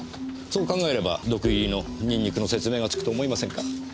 そう考えれば毒入りのニンニクの説明がつくと思いませんか？